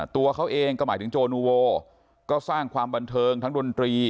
ตัวเขาเองก็หมายถึงโจนูโวก็สร้างความบันเทิงทั้งดนตรี